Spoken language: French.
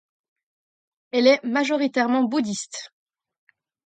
Elle est majoritairement bouddhiste.